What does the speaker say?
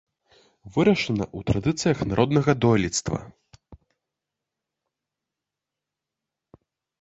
Вырашана ў традыцыях народнага дойлідства.